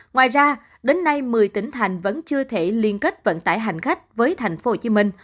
ngoài ra đến nay một mươi tỉnh thành vẫn chưa thể liên kết vận tải hành khách với tp hcm